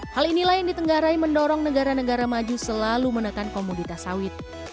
hal ini lain di tenggarai mendorong negara negara maju selalu menekan komoditas sawit